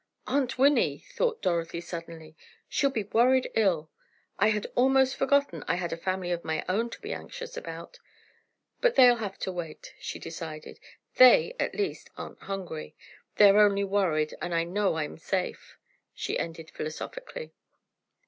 "Aunt Winnie," thought Dorothy suddenly, "she'll be worried ill! I had almost forgotten I had a family of my own to be anxious about. But they'll have to wait," she decided, "they, at least, aren't hungry. They are only worried, and I know I'm safe," she ended, philosophically.